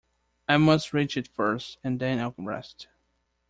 I must reach it first, and then I’ll rest.